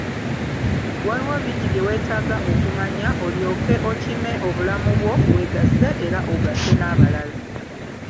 Waliwo bingi bye weetaaga okumanya, olyoke okime obulamu bwo, weegase era ogase n'abalala.